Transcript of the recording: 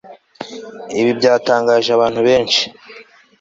Ibi byatangaje abantu benshi